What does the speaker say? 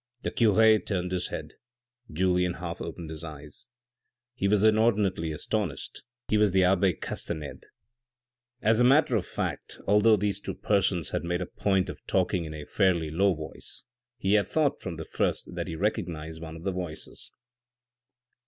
The cure turned his head, Julien half opened his eyes. He was inordinately astonished, he was the abbe Castanede. As a matter of fact, although these two persons had made a point of talking in a fairly low voice, he had thought from the first that he recognised one of the voices.